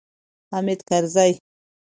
حامد کرزی